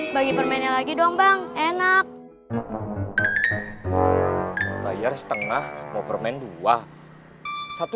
bagi permennya lagi dong bang enak bayar setengah mau permen dua satu